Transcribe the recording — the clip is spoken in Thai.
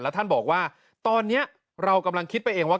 ท่านบอกว่าตอนนี้เรากำลังคิดไปเองว่า